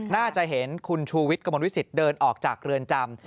น่าจะเห็นคุณชูวิทย์กระมวลวิสิตเดินออกจากเรือนจำ